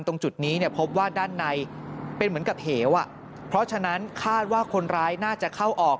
ตรงจุดนี้เนี่ยพบว่าด้านในเป็นเหมือนกับเหวอ่ะเพราะฉะนั้นคาดว่าคนร้ายน่าจะเข้าออก